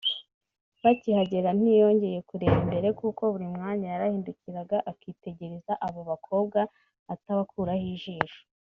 Bakihagera ntiyongeye kureba imbere kuko buri mwanya yarahindukiraga akitegereza aba bakobwa atabakuraho ijisho